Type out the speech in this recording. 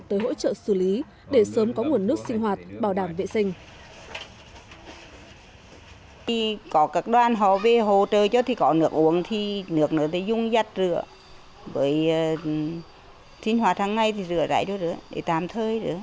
tới hỗ trợ xử lý để sớm có nguồn nước sinh hoạt bảo đảm vệ sinh